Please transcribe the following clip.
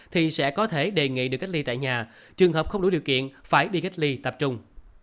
thì sẽ có thể đề nghị được cách ly tại nhà trường hợp không đủ điều kiện phải đi cách ly tập trung